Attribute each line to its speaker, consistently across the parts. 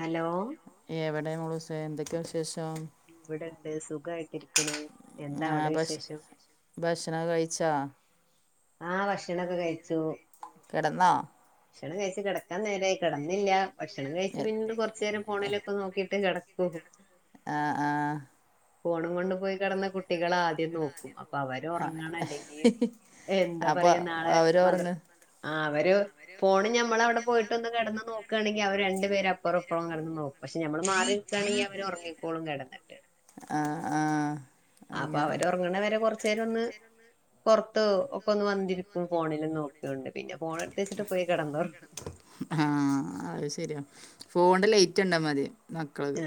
Speaker 1: Hello
Speaker 2: എവിടെ മോളൂസെ, എന്തൊക്കെയാ വിശേഷം?
Speaker 1: ഇവിടെണ്ട് സുഖായിട്ടിരിക്ണ്.
Speaker 2: ആഹ് ഭശ് ഭക്ഷണക്കെ കഴിച്ചോ?
Speaker 1: ആഹ് ഭക്ഷണൊക്കെ കഴിച്ചു
Speaker 2: കെടന്നോ
Speaker 1: ഭക്ഷണം കഴിച് കിടക്കാൻ നേരായി കെടന്നില്ല ഭക്ഷണം കഴിച്
Speaker 2: എ
Speaker 1: പിന്നീട് കൊറച്ചേരം ഫോണിലൊക്കെ നോക്കിട്ടെ കെടക്കൂ
Speaker 2: ആഹ് ആഹ്
Speaker 1: ഫോണുംകൊണ്ടു പോയി കെടന്ന കുട്ടികളാദ്യം നോ അപ്പൊ അവര്
Speaker 2: ആ
Speaker 1: ഒറങ്ങണല്ലെങ്കി എന്താ
Speaker 2: അപ്പോൾ
Speaker 1: പറയാ നാളെ മദ്റ
Speaker 2: അവരുറങ്ങ
Speaker 1: ആഹ് അവര് ഫോണ് ഞമ്മളവിടെ പോയിട്ടൊന്ന് കെടന്ന് നോ ക്കാണെങ്കി അവര് രണ്ട് പേരപ്പറോം ഇപ്പറോം കെടന്ന് നോക്കു പക്ഷെ ഞമ്മള് മാറിനിക്കാണെങ്കി അവര് ഒറങ്ങിക്കോളും കെടന്നട്ട്
Speaker 2: ആഹ് ആഹ്
Speaker 1: അപ്പൊ അവരൊറങ്ങണവരെ കൊറച്ചേരം ഒന്ന് പൊറത്ത് ഒക്കെ ഒന്ന് വന്നിരിക്കും ഫോണില് നോ യുണ്ട് പിന്നെ ഫോണടുത്ത് വച്ചിട്ട് പോയി കിടന്നൊറ
Speaker 2: ആഹ് അത് ശരിയാ ഫോണ്ന്റെ ലൈറ്റ് കണ്ടാമതി
Speaker 1: [unintelligible]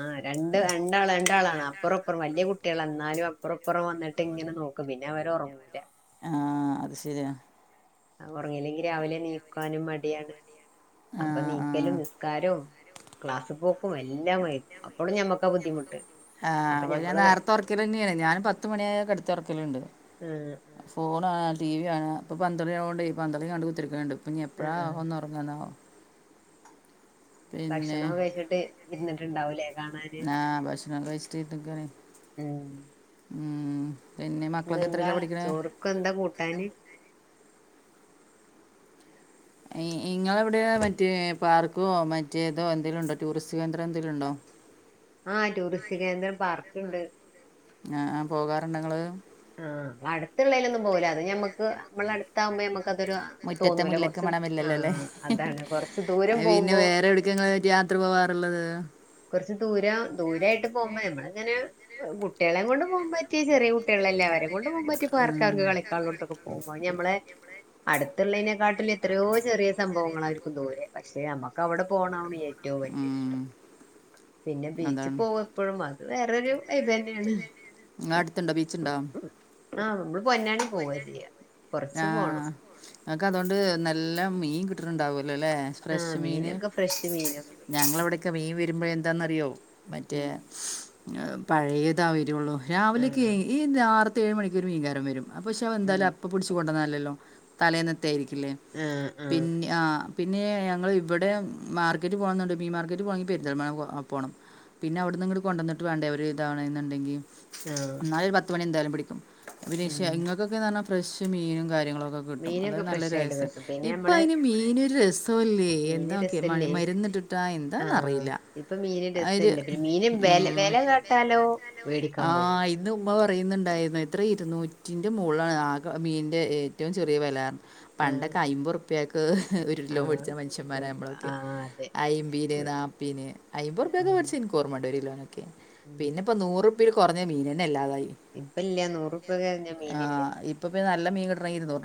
Speaker 1: ആഹ് രണ്ട് രണ്ടാളാ രണ്ടാളാണ് അപ്പറപ്പുറം വല്ല്യ കുട്ടികളാന്നാലും അപ്പറപ്പുറം വന്നിട്ട് ഇങ്ങനെ നോ ക്കും പിന്നെ അവരൊറങ്ങൂല
Speaker 2: ആഹ് അത് ശരിയാ
Speaker 1: അഹ് ഉറങ്ങീല്ലെങ്കി രാവിലെ നീക്കാനും മടിയാണ്
Speaker 2: ആ
Speaker 1: അപ്പ
Speaker 2: ആ
Speaker 1: നീക്കലും നിസ്കാരോം ക്ലാസ് പോക്കും എല്ലാം വൈകും അപ്പളും ഞമ്മക്കബുദ്ധിമുട്ട്
Speaker 2: ആഹ് അപ്പൊ ഞാൻ നേറ്ത്തെ ഒറക്കിയേ തന്നെണ് ഞാനും പത്തുമണിയായ ക്കെടത്തി ഒറക്കലുണ്ട്
Speaker 1: ആഹ്
Speaker 2: ഫോണ് കാണാ ടി വി കാണാ ഇപ്പ പന്തളി ആയൊണ്ട് പന്തളി കണ്ട് കുത്തിരിക്ണണ്ട് ഇപ്പഞ്ഞി എപ്പോഴാ
Speaker 1: ആഹ്
Speaker 2: ഒന്ന് ഒറങ്ങാന്നാവോ
Speaker 1: ഭക്ഷണം കഴിച്ചിട്ട് ഇരുന്നിട്ട്ണ്ടാവൂലേ
Speaker 2: ആഹ് ഭക്ഷണം കയ്ച്ചിട്ട്ര്ന്ന്ക്കാണ്
Speaker 1: ഉം
Speaker 2: ഉം പിന്നെ മക്കളൊക്കെത്രീല പഠിക്ക്ണെ
Speaker 1: ക്കൊന്താ കൂട്ടാന്
Speaker 2: ഈ ഇങ്ങളവിടെ മറ്റേ പാർക്കോ മറ്റേതോ എന്തേലുണ്ടോ ടൂറിസ്റ്റ് കേന്ദ്രന്തേലുണ്ടോ
Speaker 1: ആഹ് ടൂറിസ്റ്റ് കേന്ദ്രം പാർക്ക്ണ്ട്
Speaker 2: ആഹ് ആഹ് പോകാറുണ്ടൊങ്ങള്
Speaker 1: ആഹ് അടുത്ത്ള്ളേലൊന്നും പോവൂല അത് ഞമ്മക്ക് മ്മളെ അടുത്താവുമ്പോ ഞമ്മക്കതൊരു
Speaker 2: മുറ്റത്തെ
Speaker 1: തോന്നൂല
Speaker 2: മുല്ലക്ക്
Speaker 1: കൊറച്ച്
Speaker 2: മണമില്ലല്ലോ അല്ലേ
Speaker 1: ആഹ് അതാണ് കൊറച്ച് ദൂരം പോവുമ്പോ
Speaker 2: ങ്ങള് യാത്ര പോകാറുള്ളത്
Speaker 1: കൊറച്ച് ദൂരം ദൂരായിട്ട് പോവുമ്പോ ഞമ്മളിങ്ങനെ വെറും കുട്ട്യാളെകൊണ്ട് പോവാം പറ്റിയെ ചെറിയ കുട്ട്യാളെല്ലേ അവരെകൊണ്ട് പോവം പറ്റിയെ പാർക്കാർക്ക് കളിക്കോള്ളോട്ത്തൊക്കെ [unintelligible] അയ് ഞമ്മളെ അടുത്ത്ള്ളീനെക്കാട്ടില് എത്രയോ ചെറിയ സംഭവങ്ങളായിരിക്കും ദൂരെ പക്ഷെ അമ്മക്ക് അവിടെ പോണം എ റ്റവും വല്ല്യേ ഇഷ്ടം പിന്നെ ബീച്ച്
Speaker 2: അതാണ്
Speaker 1: പോവെപ്പഴും അത് വേറൊരു വൈബന്നേണ്
Speaker 2: ഇങ്ങളടുത്തുണ്ടോ ബീച്ചുണ്ടോ
Speaker 1: ആഹ് മ്മള് പൊന്നാനി പോവാ ചെയ്യാ കൊറച്ച് പോണം
Speaker 2: ഇങ്ങക്കതോണ്ട് നല്ല മീൻ കിട്ടുണുണ്ടാവല്ലോലെ
Speaker 1: ആഹ്
Speaker 2: ഫ്രഷ് മീന്
Speaker 1: മീനൊക്കെ ഫ്രഷ് മീനൊക്കെ കിട്ടും
Speaker 2: ഞങ്ങളവിടെ ക്കെ മീൻ വരുമ്പോഴെന്താന്നറിയോ മറ്റേ
Speaker 1: ഉം
Speaker 2: പഴയതാ വരൊള്ളൂ രാവിലെക്കെ
Speaker 1: ആഹ്
Speaker 2: ഈ നാറ്ത്തെ ഏഴ്മണികൊരു മീൻകാരൻ വരും പക്ഷേ അവ എന്താലു
Speaker 1: ഉം
Speaker 2: അപ്പൊ പിടുച്ച് കൊണ്ടന്നല്ലല്ലോ തലേന്നത്തെയായിരിക്കില്ലേ
Speaker 1: ആഹ് ആഹ്
Speaker 2: ഇന് ആഹ് പിന്നെ ഞങ്ങള് ഇവടെ മാർക്കറ്റ് പോണന്നുണ്ട് മീ മാർക്കറ്റ് പോണങ്കി പെരിന്തൽമണ്ണ പോണം പിന്നെ അവിടുന്നിങ്ങട്ട് കൊണ്ടന്നിട്ട് വേണ്ടേ ഒര് ഇതാവണെന്നുണ്ടെങ്കി
Speaker 1: ആഹ്
Speaker 2: ഇന്നാലൊരു പത്ത് മണി എന്തായാലും പിടിക്കും പിന്നെഷ
Speaker 1: ഉം
Speaker 2: ഇങ്ങക്കൊക്കെ പറഞ്ഞാ ഫ്രഷ് മീനും കാര്യങ്ങളൊക്കെ കിട്ടും അത്
Speaker 1: മീനൊക്കെ ഫ്രഷ്
Speaker 2: നല്ലൊര
Speaker 1: ആയിട്ട്
Speaker 2: [unintelligible]
Speaker 1: കിട്ടും പിന്നെ നമ്മള്
Speaker 2: ഇപ്പയിന് മീനൊരു രസോല്ലാ പി
Speaker 1: മീന്
Speaker 2: എന്താ ഓക്കെ മണ
Speaker 1: രസല്ലേ
Speaker 2: മരുന്നിട്ടിട്ടാ
Speaker 1: ആഹ്
Speaker 2: എന്താന്നറിയില്ല
Speaker 1: ഇപ്പൊ മീന്
Speaker 2: ആ ഒരു ഉം
Speaker 1: ട്ടാലോ വേടിക്കാൻ പോകും
Speaker 2: ഇന്ന് ഉമ്മ പറയുന്നുണ്ടായിരുന്നു എത്ര ഇരുന്നൂറ്റിൻ്റെ മോളിലാണ് ആകെ മീനിൻ്റെ ഏറ്റവും ചെറിയ വെലാന്ന്
Speaker 1: ആഹ്
Speaker 2: പണ്ടൊക്കെ അയിമ്പൊറുപ്യക്ക് ഒരു കിലോ മേടിച്ച
Speaker 1: ആഹ്
Speaker 2: മനുഷ്യന്മാരാ
Speaker 1: ഒരു
Speaker 2: ഞമ്മളൊക്കെ
Speaker 1: ആഹ് അതെ
Speaker 2: അയിമ്പീന് നാപ്പീന് അയമ്പറുപ്യക്ക്
Speaker 1: ഉം
Speaker 2: വേടിച്ചെ ഇൻക്ക് ഇക്കോർമ്മണ്ട് ഒരു കിലോനൊക്കെ
Speaker 1: ഉം
Speaker 2: പിന്നെപ്പം നൂറുപ്യയിൽ കൊറഞ്ഞ മീനെന്നെ ഇല്ലാതായി
Speaker 1: ഇപ്പ ഇല്യ നൂറുറൂപ്യ [unintelligible]
Speaker 2: ആഹ് ഇപ്പപിന്നെ നല്ല മീൻ കിട്ടണെങ്കി ഇരുന്നൂറു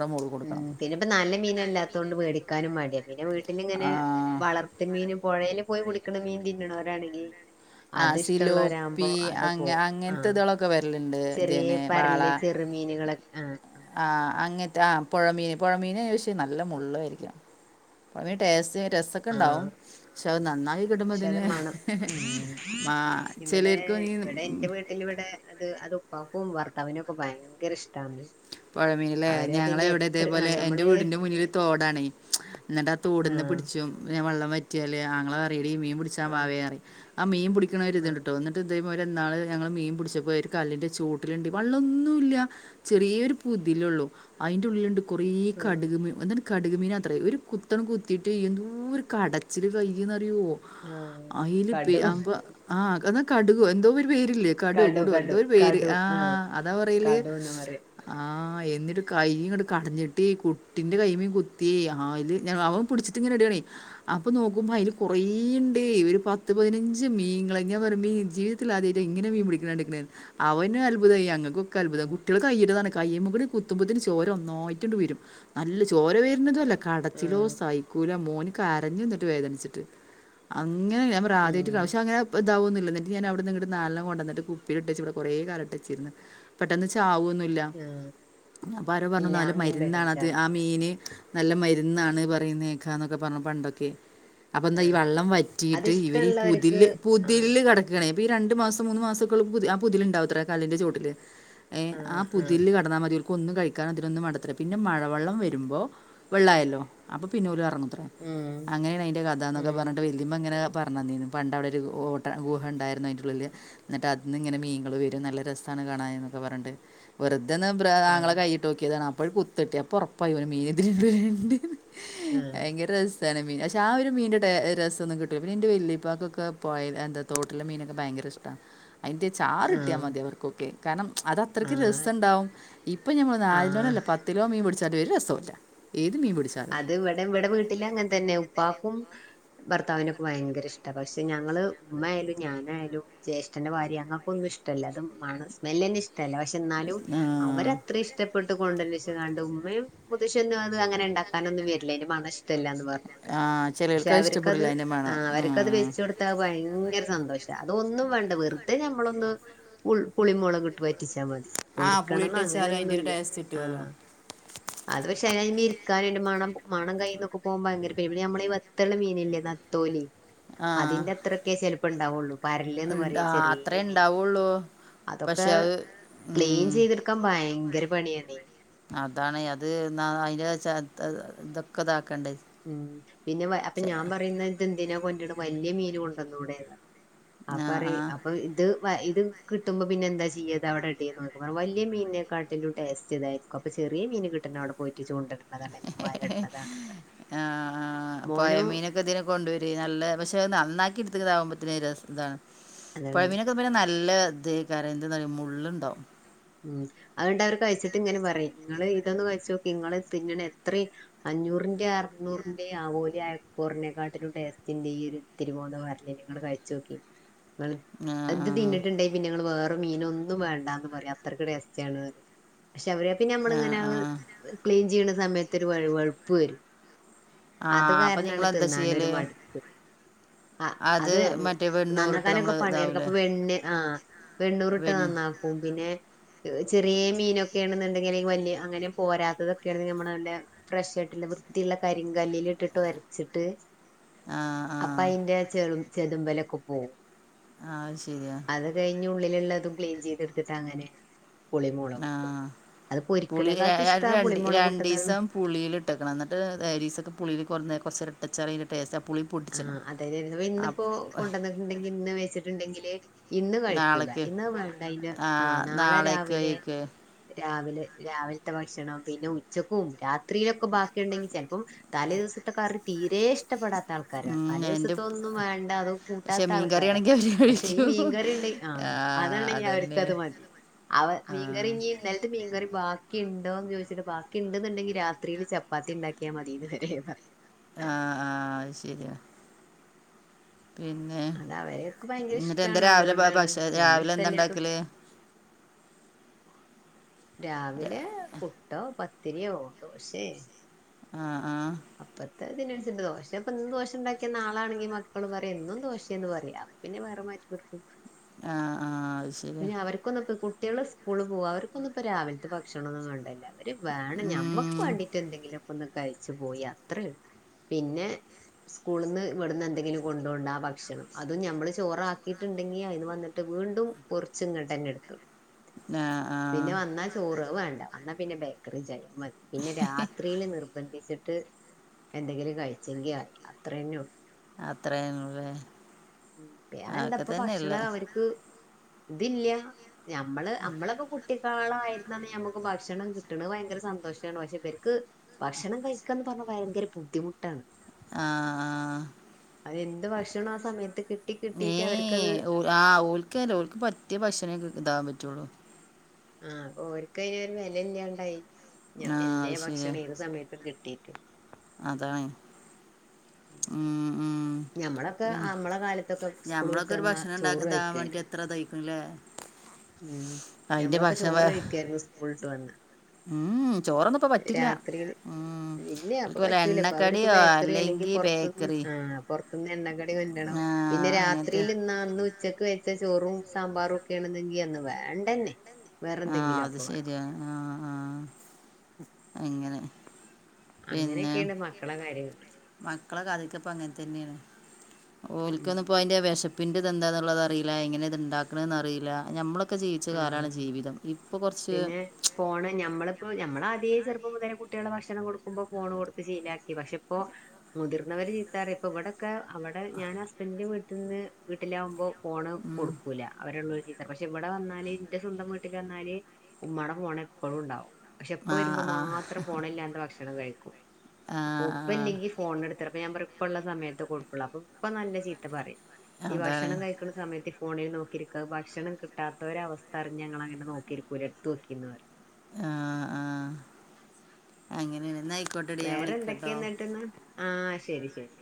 Speaker 1: ഉം പിന്നെ ഇപ്പ നല്ല മീനല്ലാത്തോണ്ട് വേടിക്കാനും മടിയാ പിന്നെ വീട്ടിലിങ്ങനെ
Speaker 2: ആഹ്
Speaker 1: വളർത്ത് മീന് പൊഴയില് പോയി പുടിക്കണ മീൻ തിന്നണോരാണെങ്കി അത്
Speaker 2: ആഹ്
Speaker 1: ഇഷ്ട്ടള്ളോരാവുമ്പോ
Speaker 2: സിലോപ്പി
Speaker 1: അത്
Speaker 2: അങ്ങ
Speaker 1: പോവും ആ
Speaker 2: അങ്ങനത്തെ ഇതളൊക്കെ വരലുണ്ട്
Speaker 1: ചെറിയ
Speaker 2: ഇതന്നെ
Speaker 1: പരല് ചെറ് മീനുകളൊക് ആഹ്
Speaker 2: ആഹ് അങ്ങൻത്തെ ആഹ് പൊഴമീന് പൊഴമീന് പക്ഷേ നല്ല മുള്ളായിരിക്കും അതിന് ടേസ്റ്റ് രസക്കെ
Speaker 1: ആ.
Speaker 2: ഇണ്ടാവും പക്ഷെ അത് നന്നാക്കി
Speaker 1: പക്ഷെ അത്
Speaker 2: കിട്ടുമ്പോത്തിന്
Speaker 1: മണം ഉം.
Speaker 2: മാ ചെലർക്ക്
Speaker 1: എന്റെ
Speaker 2: [unintelligible]
Speaker 1: പിന്നെ ഇവിടെ അത് അത് ഉപ്പാക്കും ഭർത്താവിനൊക്കെ ഭയങ്കര ഇഷ്ട്ടാന്ന്
Speaker 2: പൊഴമീന്‌ല്ലേ ഞങ്ങളെ ഇവിടെ ഇതേപോലെ എന്റെ
Speaker 1: ഞമ്മള്
Speaker 2: വീടിന്റെ മുന്നില് തോടാണേ എന്നിട്ട് ആ തോടിന്ന് പിടിച്ചും പിന്നെ വെള്ളം വൽ റ്റിയാല് ആങ്ങള പറയുടി മീൻ പിടിച്ചാ
Speaker 1: ആ
Speaker 2: വാ വേം പറേയ് ആ മീൻ പിടിക്കണ
Speaker 1: ആ ആ
Speaker 2: ഒരിത്ണ്ട് ട്ടോ എന്നി ഇത് ഇതേപോലിന്നാള് ഞങ്ങള് മീൻ പിടിച്ചപ്പോ ഒരു കല്ലിന്റെ ചോട്ടിലുണ്ട് വെള്ളൊന്നും ഇല്ല ചെറിയൊരു പൊ പുതിലുള്ളൂ അയിന്റെ ഉള്ളിലുണ്ട് കൊറെ കടുക് മീൻ എന്നിട്ട് കടുക് മീൻ ആത്രേ ഒരു കുത്തണ് കുത്തിയിട്ട് എന്തോരു കടച്ചില് കയ്യന്ന്റിയോ
Speaker 1: ആ
Speaker 2: അയില് പെ
Speaker 1: കടു
Speaker 2: അപ്പം ആഹ് എന്താ കടുകോ എന്തോ ഒരു പേരില്ലേ കടോ
Speaker 1: കടു
Speaker 2: കുടോ എന്തോ
Speaker 1: കടു
Speaker 2: ഒരു പേര്
Speaker 1: കടു ആ
Speaker 2: ആഹ്
Speaker 1: ആ
Speaker 2: അതാ പറയല്
Speaker 1: കടുന്ന് പറയും.
Speaker 2: ആഹ് ആ എന്നിട്ട് കയ്യ്ങ്ങട് കടഞ്ഞിട്ടെ കുട്ടിൻ്റെ കൈയ്യീമ്മെ കുത്തിയെ അയില് ഞാൻ അവൻ പുടിച്ചിട്ട് ഇങ്ങനെടാണേ അപ്പൊ നോക്കുമ്പോ അയില് കൊറേണ്ടെ ഒരു പത്ത് പതിനഞ്ച് മീങ്ങളെ ഞാൻ പറയാ ജീവി ജീവിതത്തിലാദ്യായിട്ടാ ഇങ്ങനൊരു മീൻ പുടിക്കണെ കണ്ട്ക്കണെ അവനും അത്ഭുതായി ഞങ്ങക്കൊക്കെ അത്ഭുതം
Speaker 1: ഉം
Speaker 2: കുട്ടിയാള് കൈയില് കൈയ്യുമ്മക്കൂടി കുത്തുമ്പത്തേനും ചോര ഒന്നായിട്ട്ട് വരും നല്ല ചോര വരുന്നതു അല്ല കടച്ചിലോ
Speaker 1: ഉം
Speaker 2: സഹി ക്കൂല മോന് കരഞ്ഞിന്നിട്ട് വേദനിച്ചിട്ട് അങ്ങനെ ഞാൻ പറയാ ആദ്യായിട്ട്
Speaker 1: ഉം
Speaker 2: പക്ഷെ അങ്ങനെ ഇപ്പതാവൊന്നൂല്ല എന്നിട്ട് ഞാനവിടെനിങ്ങട്ട് നാലണ്ണം കൊണ്ടന്നിട്ട് കുപ്പിലിട്ടച്ച് ഇവിടെ കൊറെ കാലട്ടിച്ചിരുന്ന് പെട്ടെന്ന് ചാവൊന്നുല്ല
Speaker 1: ആഹ്
Speaker 2: അപ്പൊ ആരോ പറഞ്ഞു നല്ല മരുന്നാണത് അ മീന് നല്ല മരുന്നാണ് പറയുന്നേക്കാന്നൊക്കെ പറഞ്ഞു പണ്ടൊക്കെ അപ്പൊ എന്താ
Speaker 1: ആ
Speaker 2: ഈ വെള്ളം വറ്റിയിട്ട് ഇവര്
Speaker 1: അതിഷ്ടമുള്ളവർക്ക്
Speaker 2: പുതില്ല്
Speaker 1: ആ
Speaker 2: പുതില് കെട ക്കാണെ ഇപ്പൊ ഈ രണ്ട് മാസം മൂന്ന് മാസക്കെള്ളപ്പം പുതി ആ പുതിലുണ്ടാവത്രെ കല്ലിന്റെ ചോട്ടില്
Speaker 1: ആഹ് ആഹ്
Speaker 2: കടന്നാ മതി ഓൽക്ക് ഒന്നും കഴിക്കാൻ ഇതിനൊന്നും വേണ്ട പിന്നെ മഴവെള്ളം വരുമ്പോ വെള്ളായല്ലോ അപ്പൊ പിന്നെ പോല ഇറങ്ങൂത്രേ
Speaker 1: ഉം
Speaker 2: അങ്ങനെയാണ് അതിറെ കഥാന്നൊക്കെ
Speaker 1: ഉം
Speaker 2: പറഞ്ഞിട്ട് വ അതിമ ഇങ്ങനെ പറഞ്ഞു തന്നീന് പണ്ട് അവിടെ ഒരു ഓട്ട ഗുഹ ഉണ്ടായിരുന്നു അതിനട്ടുള്ള വലിയ എന്നിട്ട് അതി നിന്ന് ഇങ്ങനെ മീനൾ വരും നല്ല രസമാണ് കാണാ എന്നൊക്കെ പറഞ്ഞിട് വെറുതന്നൊങ്ങളെ
Speaker 1: ആഹ്
Speaker 2: കൈ ഇട്ട്നോക്കിയതാണ് അപ്പോഴ കുത്തിട്ടിത അപ്പ ഉറപ്പായി മീന ഇതി
Speaker 1: ആഹ്
Speaker 2: ഭയങ്കര റസ് തേന മീ പക്ഷേ ആ ഒരു മീൻ്റെ രസൊന്ന കിട്ടില്ല പിന്നതിൻ് വല്ല്യുപ്പാക്കക്കൊക്കെ പോയൽ എന്താട്ടെ മീനൊക്കെ ഭയങ്കര ഇഷ്ടമാണ് അതിന്റെ ചാർ ഇട്ടിയാൽ
Speaker 1: ആഹ്
Speaker 2: മതി അവർക്കൊക്കെ കാരണം അത
Speaker 1: ആഹ്
Speaker 2: രസംണ്ടാവും ഇപ്പം ഞമ്മ ഒ നല്
Speaker 1: ആഹ്
Speaker 2: രോനല്ല പത്ത് കിലോ മീൻ പിടിച്ചാലും വ ഒരു രസമല്ല ഏത് മീൻ പിടിച്ചാലും
Speaker 1: അത് ഇവിടെ ഇവിടെ വീട്ടിൽ അങ്ങനെ തന്നെ ഉപ്പാക്കും ഭർത്താവിനൊക്കെ ഭയങ്കര ഇഷ്ട പക്ഷെ ഞങ്ങള് ഉമ്മ ആയാലും ഞാനായാലും ജ്യേഷ്ഠന്റെ ഭാര്യ അങ്ങക്കൊന്നും ഇഷ്ടമല്ല അതും മന്ന സ്മെല് തന്നെ ഇഷ്ടമല്ല പക്ഷെ എന്നാലും അവരെ ഇത്ര ഇഷ്ടപ്പെട്ട് കൊണ്ടന്ന വെച്ച കാണ്ട് ഉമ്മയും മുത്തശ്ശിയൊന്നും അത് അങ്ങനെ ഉണ്ടാക്കാനൊന്നും വരില്ല എന്റെ മണ ഇഷ്ടമല്ല പറഞ്ഞോണ്ട്
Speaker 2: ആ
Speaker 1: പക്ഷെ
Speaker 2: ചിലവർക്ക് അത്
Speaker 1: അവർക്ക്
Speaker 2: ഇഷ്ടപ്പെടില്ല അതിൻ്റെ മണം
Speaker 1: ആഹാ അവർക്കത്
Speaker 2: ഉം.
Speaker 1: വിരിച്ചുകൊടുത്ത ഭയങ്കര സന്തോഷം അതൊന്നും വേണ്ട വെറുതെ ഞമ്മളൊന്ന് ഉ പുളിമുളക് ഇട്ട് പറ്റിച്ചാ മതി
Speaker 2: ആ പുളിയിട്ട്
Speaker 1: ഒരുക്കണംന്ന്
Speaker 2: വെച്ചാലും അതിൻ്റെ ഒരു
Speaker 1: അങ്ങനെൊന്നുമില
Speaker 2: ടേസ്റ്റ് കിട്ടുമല്ലോ
Speaker 1: ആഹ അത് പക്ഷെ ഇനി കാന് മണം കയ്യി നിന്നൊക്കെ പോക ഭങ്കര ഇടെ നമ്മ ഈബത്തുള്ള മീനല്ലേ നത്തോലി
Speaker 2: ആ
Speaker 1: അതിന്റെ അത്രൊക്കെ ചിലപ്പ ഉണ്ടാവുള്ളൂ പരല്ന്ന്
Speaker 2: ഇണ്ട-
Speaker 1: പറയും
Speaker 2: ആ, അത്രേ
Speaker 1: ചെറിയ മീൻ
Speaker 2: ഉണ്ടാവുള്ളൂ
Speaker 1: അതൊക്കെ
Speaker 2: പക്ഷെ അത്
Speaker 1: ക്ലീൻ
Speaker 2: ഉം,
Speaker 1: ചെയ്തെട് ക്കൻ ഭയങ്കര പണിയാണ്
Speaker 2: അതാണ് അത് ന അതിന്റെ ഇതൊക്കെ ഇതാക്കണ്ടേ
Speaker 1: ഉം പിന്നെ അപ്പൊ
Speaker 2: ചെ-
Speaker 1: ഞാൻ പറയുന്ന ഇതെന്തിനാ കൊണ്ടട്ട വലിയ മീന് കൊണ്ടുവന്നോടെ എന്ന്
Speaker 2: ആ
Speaker 1: അപ്പറയ്
Speaker 2: ആ
Speaker 1: അപ്പൊ ഇത് ഇത് കിട്ടുമ്പോ പിന്നെ എന്താ ചെയ്യത് അവിടെ ഇട നോക്കാ പറഞ്ഞ വലിയ മീനെക്കാട്ടിലും ടേസ്റ്റ് ഇതായി അപ്പ ചെറിയ മീന് കിട്ടെണം അവിടെ പോയി ചൂണ്ടണ്
Speaker 2: ആഹ
Speaker 1: മോനും
Speaker 2: പൂഴമീൻ തിനെ കൊണ്ടുവര നല്ല പക്ഷെ നന്നാക്കി എടുത്തക്കതാകുമ്പോത്തെ ഇതാണ്
Speaker 1: അതാണ്
Speaker 2: പുഴവി ഇത് പിന്നെ നല്ല ഇത ക എന്ത പറയ മള് ഉണ്ടാവും
Speaker 1: ഉം അതുകൊണ്ട് അവർ കഴിച്ചിട്ട് ഇങ്ങനെ പറയും നിങ്ങള് ഇതൊന്നന്ന് കഴിച് നോക്കി നിങ്ങൾ തിനെണ എത്രയും അഞ്ഞൂറിന്റെ അറുന്നൂറിന്റെ ആവോലി ഐകുറിനെക്കാട്ടിലും ടെസ്റ്റന്റെ ഈ ഒരു ത്തിരി പോന്നോ പറഞ്ഞല്ലേ നിങ്ങള് കഴിച്ചു നോക്കി
Speaker 2: [inaudible]
Speaker 1: അത്
Speaker 2: ആഹ്
Speaker 1: തിന്നിട്ടുണ്ടായി പിന്നെ ഇങ്ങള് വേറെ മീന് ഒന്നും വേണ്ടന്ന് പറയാ അത്രക്കടെസ്റ്റാണ് പക്ഷെ അവര പിന്നെ
Speaker 2: ആഹ്
Speaker 1: നമ്മളിങ്ങനെ
Speaker 2: ആഹ്
Speaker 1: ക്ലീൻ ചെയ്യുന്ന സമയത്ത് ഒരു വഴുവഴുപ്പ് വരും അത്
Speaker 2: ആഹ് അപ്പം
Speaker 1: കാരണമാണ്
Speaker 2: നിങ്ങളെന്താ
Speaker 1: തിന്നനോരു
Speaker 2: ചെയ്യല്
Speaker 1: മടുപ്പ് ആഹ അത്
Speaker 2: മറ്റേ വെണ്ണൂറിട്ട് നമ്മൾ
Speaker 1: നന്നാക്കാനൊക്കെ പണി
Speaker 2: ഇതാവൂലേ
Speaker 1: അക്കപ്പ വെണ് ആഹ വെണ്ണൂറി ഇട്ട്
Speaker 2: വെൺ
Speaker 1: നന്നാക്കും പിന്നെ ചെറിയ മീനൊക്കെ ആണെന്നുണ്ടെങ്കിൽ വല്യ അങ്ങനെ പോരാത്തതൊക്കെയണെങ്കിൽ നമ്മള ഫ്രഷ് ആയിട്ടില്ല വൃത്തിയുള്ള കരിങ്കല്ലിൽ ഇട്ടിട്ട് ഒരച്ചിട്ട്
Speaker 2: ആഹ ആഹ
Speaker 1: അപ്പൊ അതിന്റെ ചെള ചെതുമ്പല് ഒക്കെ പോകവും
Speaker 2: ആഹ അത് ശരിയാ
Speaker 1: അത് കഴിഞ് ഉള്ളിലുള്ളള്ളതും ക്ലീൻ ചെയ്തെടുത്തിട്ട് അങ്ങനെ പുളിമുളക് കൂട്ടും
Speaker 2: ആഹ
Speaker 1: അത്
Speaker 2: പുളി
Speaker 1: പൊരിക്കണേക്കാട്ടും ഇഷ്ടം ആ
Speaker 2: രണ്ട്
Speaker 1: പുളിമുളക് കൂട്ടതാണ്
Speaker 2: രണ്ടിസം പുള്ളിയിൾ ഇട്ടക്കണം എന്നിട്ട് ഡയരീസൊക്കെ പുലില് കുറ കുറച്ച് നേരം അച്ചാറ് ടേസ്റ്റാ പുളി പൊട്ടിച്ചണം ആ
Speaker 1: ണ്ടെങ്കി ഇന്ന് വെച്ചിട്ടുണ്ടെങ്കിലലെ ഇന്ന് കഴിക്കൂല
Speaker 2: നാളേക്ക്
Speaker 1: ഇന്ന് വേണ്ട
Speaker 2: ആ
Speaker 1: ആഹ്‌ നാളെ
Speaker 2: നാളേക്ക്
Speaker 1: രാവിലെ
Speaker 2: കഴിക്ക്
Speaker 1: രാവിലെ രാവിലത്തെ ഭക്ഷണം പിന്നെ ഉച്ചക്കും രാത്രിയിലൊക്കെ ബാക്കിയുണ്ടെങ്കിൽചെൽപ്പം തലേ ദിവസത്തെ കറി തീരേ ഇഷ്ടപ്പെടാത്താൾ ൾക്കാരാണ്
Speaker 2: ഉം,
Speaker 1: തലേ
Speaker 2: എൻ്റെ പ്-
Speaker 1: ദിവസത്തൊന്നും വേണ്ട അതോ
Speaker 2: പക്ഷേ മീൻ കറി
Speaker 1: കൂട്ടാത്താൾക്കാരാ
Speaker 2: ആണെങ്കിൽ അവർ
Speaker 1: പക്ഷെ ഈ
Speaker 2: കഴിക്കും
Speaker 1: മീൻകറിയുണ്ടെ ആഹ്
Speaker 2: ആ
Speaker 1: അത്ണെങ്കി
Speaker 2: അതന്നെ
Speaker 1: അവർക്കത് മതി അവ
Speaker 2: ആ
Speaker 1: മീൻകറിഞ്ഞി ഇന്നൽത്തെമീൻകറി ബാക്കിണ്ടോന്ന് ചോദിച്ചിട്ട് ബാക്കിണ്ട്ന്നുണ്ടെങ്കി രാത്രിയില് ചപ്പാത്തിണ്ടാക്കിയാൽ മതീന്ന് വരെ
Speaker 2: ആഹ് ആഹ് അത് ശരിയാ പിന്നെ
Speaker 1: അത് അവരെയൊക്കെ ഭയങ്കര
Speaker 2: ന്നിട്ടെന്താ
Speaker 1: ഇഷ്ടമാണ്
Speaker 2: രാവിലെ
Speaker 1: അതുകൊണ്ടാണ്
Speaker 2: ഭക്ഷ
Speaker 1: നമ്മൾ ഇഷ്ടമല്ലാത്ത
Speaker 2: രാവിലെന്താണ്ടാക്കല്
Speaker 1: രാവിലേ
Speaker 2: ര-
Speaker 1: പുട്ടോ പത്തിരിയോ ദോശേ
Speaker 2: ആഹ് ആഹ്
Speaker 1: അപ്പത്തതിനനൻസര്ച്ച് ദോശ ഇപ്പ്ന്ന് ദോശണ്ടാക്കിയ നാളാണെങ്കി മക്കള് പറിം എന്നും ദോശേന്ന് പറയാ പിന്നെ വേറെ മാറ്റിെക്കൊടുക്കും
Speaker 2: ആഹ് ആഹ് അത് ശരിയാ
Speaker 1: പിന്നെ അവർക്കൊന്നുപ്പ കുട്ടികള് സ്കൂളിൽ പോക അവർക്കൊന്നുംപ്പോ രാവിൽത്തെ ഭക്ഷണൊന്നും വേണ്ടല്ലോ അവര് വേണം ഞമ്മക്ക്
Speaker 2: ഉം
Speaker 1: വേണ്ടീട്ട് എന്തെങ്കിലൊക്കൊന്ന് കഴിച്ചു പോയി അത്ര പിന്നെ സ്കൂളിന്ന് ഇവിട്ന്നെന്തെങ്കിലും കൊണ്ടോണ്ടാ ഭക്ഷണം അതും ഞമ്മള് ചോറാക്കിയിട്ടുണ്ടെങ്കി അയിന്ന് വന്നി ട്ട് വീണ്ടും കുറിച്ച്ങ്ങട്ടന്നെട്ത്തു
Speaker 2: ആ ആ
Speaker 1: പിന്നെ വന്നാ ചോറ് അത് വേണ്ട ന്നാപിന്നെ ബേക്കറി ചായിം മതി പിന്നെ രാത് ത്രീല് നിർബന്ധിച്ചിട്ട് എന്തെങ്കിലും കഴിച്ചെങ്കി ആയി അത്ര തന്നെ ഉള്ളൂ
Speaker 2: അത്രയുള്ളൂലേ
Speaker 1: പ്പഞാനെന്താപ്പ ഭക്ഷണം അവർക്ക് ഇതില്ല ഞമ്മള് നമ്മളപ്പോ ട്ടിക്കാളായിര്ന്നന്ന് ഞമ്മക്ക് ഭക്ഷണം കിട്ട്ണ് ഭയങ്കര സന്തോഷാണ് പക്ഷെ ഇവർക്ക് ഭക്ഷണം കഴിക്കാന്ന് പറഞ്ഞാ ഭയങ്കര ബുദ്ധിമുട്ടാണ്
Speaker 2: ആ ആ
Speaker 1: അയെന്ത് ഭക്ഷണം ആ സമയത്ത് കിട്ടി കിട്ടീട്ട് അവർക്കത്
Speaker 2: ആഹ് ഓൽക്കല്ലേ ഓൽക്ക് പറ്റിയ ഭക്ഷണേ ഇതാവാൻ പറ്റുള്ളൂ
Speaker 1: ആഹ് ഓരൽക്കയ്നൊരു വെലല്ലാണ്ടായി ഞ
Speaker 2: ആ
Speaker 1: എല്ലേ
Speaker 2: അത് ശരിയാ
Speaker 1: ഭക്ഷണം ഏത് സമയത്തും കിട്ടീട്ട്
Speaker 2: അതാണ് ഉം ഉം
Speaker 1: ഞമ്മളൊക്കെ
Speaker 2: ഉം
Speaker 1: ആ നമ്മളെ കാലത്തൊക്കെ സ്കൂൾ വിട്ട്
Speaker 2: ഞമ്മളൊക്കെ ഒരു
Speaker 1: വന്ന ചോറ്
Speaker 2: ഭക്ഷണംണ്ടാക്കുന്നതാവാൻ വേണ്ടി
Speaker 1: കഴിക്കായിരുന്നു
Speaker 2: എത്രതയ്ക്ക്ണ്ല്ലേ
Speaker 1: ഉം ഞമ്മളൊക്കെ ചോറ്
Speaker 2: വേ
Speaker 1: കഴിക്കായിരുന്നു സ്കൂളിട്ട് വന്ന
Speaker 2: ഉം ചോറൊന്നു
Speaker 1: രാത്രീല് ഇല്യ ഇപ്പൊ
Speaker 2: ഓൽക്ക് വല്ല
Speaker 1: പറ്റൂലപ്പവർക്ക്
Speaker 2: എണ്ണക്കടിയോ
Speaker 1: ബേക്കറി അല്ലെങ്കിൽ പുറത്തുന്ന്
Speaker 2: ബേക്കറി
Speaker 1: ആഹ് പൊ എണ്ണ കടി കൊണ്ടരണം
Speaker 2: ആ
Speaker 1: പിന്നെ
Speaker 2: അങ്ങനത്തെ
Speaker 1: രാത്രിയില്ന്നാന്ന് ഉച്ചക്ക് വെച്ച ചോറും സാമ്പാറും ഒക്കെ ആണെങ്കി അന്ന് വേണ്ടന്നെ
Speaker 2: ആ
Speaker 1: വേറെന്തെങ്കിലും
Speaker 2: അത്
Speaker 1: അപ്പ വേണം
Speaker 2: ശരിയാ ആ ആ അങ്ങനെ പിന്നെ
Speaker 1: അങ്ങനെയൊക്കേണ് മക്കളെ കാര്യങ്ങള്
Speaker 2: മക്കളെ കാര്യങ്ങള്ളൊക്കെപ്പങ്ങൻ തന്നേണ്
Speaker 1: ഉം
Speaker 2: ഓൽക്കൊന്നുപ്പയ്ന്റെ വെശ പ്പിൻ്റെതെന്താന്നുള്ളതറീല്ല എങ്ങനെത്ണ്ടാക്ക്ണെന്നറിയില ഞമ്മളൊക്കെ ജീവിച്ച
Speaker 1: ആ
Speaker 2: കാലാണ് ജീവിതം ഇപ്പൊ കൊർച്ച്
Speaker 1: പിന്നെ ഫോണ് ഞമ്മളിപ്പോ നമ്മളാദ്യേ ചെറുപ്പം മുതലേ കുട്ടികളെ ഭക്ഷണം കൊടുക്കുമ്പോ ഫോണ് കൊടുത്ത് ശീലാക്കി പക്ഷെപ്പൊ മുതിർന്നവര് ചീത്തറിയും ഇപ്പവടൊക്കെ അവിടെ ഞാൻ ഹസ്ബന്റിന്റെ വീട്ടിൽന്ന് വീട്ടിലാവുമ്പോ ഫോണ് കൊടുക്കൂല അവരെള്ളോര് ചീത്ത പക്ഷെവ ടെ വന്നാല് ന്റെ സ്വന്തം വീട്ടില് വന്നാല് ഉമ്മാടെ ഫോണെപ്പളുണ്ടാവും പക്ഷെപ്പ
Speaker 2: ആ
Speaker 1: വരുമ്പോ
Speaker 2: ആ
Speaker 1: മാത്രം ഫോണില്ലാണ്ട് ഭക്ഷണം കഴിക്കും
Speaker 2: ആ ആ
Speaker 1: ഉപ്പില്ലെങ്കി ഫോണെടുത്ത് ചെൽപ്പ ഞാൻപറി ഇപ്പള്ള സമയത്തേ കൊടുക്കുള്ളൂ അപ്പൊ ഇപ്പ നല്ല ചീത്ത പറയും ഈ
Speaker 2: അതാണ്
Speaker 1: ഭക്ഷണം കഴി ക്ക്ണ സമയത്ത് ഫോണിൽ നോക്കിരിക്ക അഹ് ഭക്ഷണം കിട്ട ട്ടാത്തോരവസ്ഥ അറിഞ്ഞാങ്ങളങ്ങനെ നോക്കിരിക്കൂല്ല എടുത്ത് വെക്കുന്നറിയും
Speaker 2: ആഹ് ആഹ് അങ്ങനേണ് ന്ന ആയി
Speaker 1: വേറെന്തെക്കേന്നട്ട്ന്ന് ആഹ് ശരി ശരി